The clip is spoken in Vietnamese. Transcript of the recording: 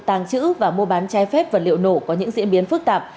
tàng trữ và mua bán trái phép vật liệu nổ có những diễn biến phức tạp